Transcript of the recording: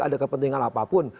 ada kepentingan apapun